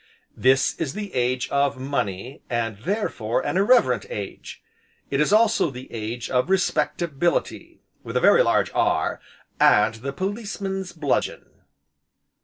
This is the age of Money, and, therefore, an irreverent age; it is also the age of Respectability (with a very large R), and the policeman's bludgeon.